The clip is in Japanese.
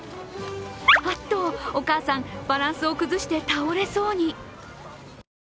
あっと、お母さん、バランスを崩して倒れそうに。